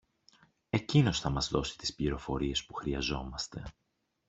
Εκείνος θα μας δώσει τις πληροφορίες που χρειαζόμαστε.